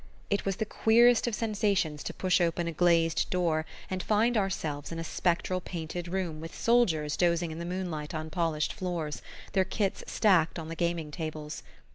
It was the queerest of sensations to push open a glazed door and find ourselves in a spectral painted room with soldiers dozing in the moonlight on polished floors, their kits stacked on the gaming tables.